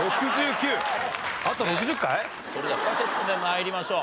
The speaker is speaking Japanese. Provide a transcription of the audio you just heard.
それでは２セット目参りましょう。